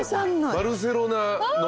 バルセロナの。